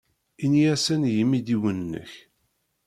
Ini-asen i yimidiwen-nnek.